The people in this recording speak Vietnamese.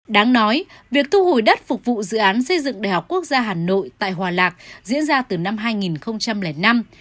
đáng nói việc thu hồi đất phục vụ dự án xây dựng đại học quốc gia hà nội tại hòa lạc diễn ra từ năm hai nghìn năm